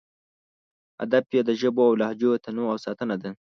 هدف یې د ژبو او لهجو تنوع او ساتنه ده.